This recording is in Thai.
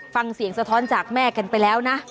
ฟังเสียงสะท้อนจากแม่กันไปแล้วนะ